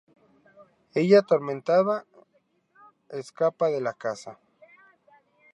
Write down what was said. Ella, atormentada, escapa de la casa.